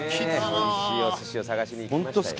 美味しいお寿司を探しに行きましたよ。